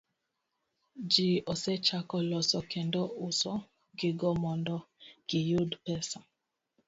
Ji osechako loso kendo uso gigo mondo giyud pesa.